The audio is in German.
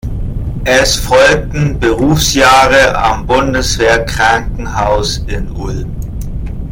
Es folgten Berufsjahre am Bundeswehrkrankenhaus in Ulm.